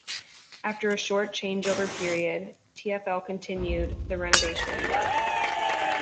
After a short changeover period, TfL continued the renovation work.